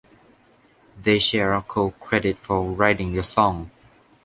They share co-credit for writing the song.